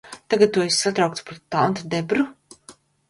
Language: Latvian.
Tagad tu esi satraukts par tanti Debru?